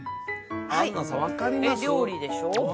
料理でしょ